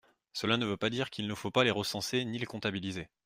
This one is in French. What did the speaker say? Cela ne veut pas dire qu’il ne faut pas les recenser ni les comptabiliser.